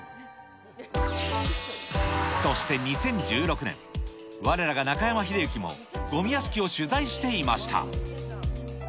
そして、２０１６年、われらが中山秀征もごみ屋敷を取材していました。